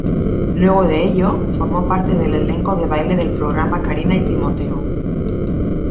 Luego de ello, formó parte del elenco de baile del programa "Karina y Timoteo".